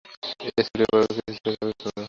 এ ছেলেটির কিছুতেই খেয়াল ছিল না।